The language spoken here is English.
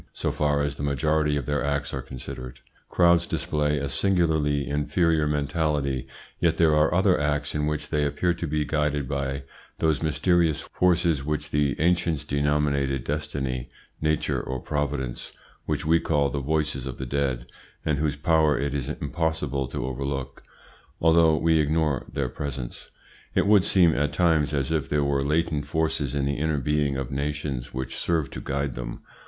So far as the majority of their acts are considered, crowds display a singularly inferior mentality; yet there are other acts in which they appear to be guided by those mysterious forces which the ancients denominated destiny, nature, or providence, which we call the voices of the dead, and whose power it is impossible to overlook, although we ignore their essence. It would seem, at times, as if there were latent forces in the inner being of nations which serve to guide them.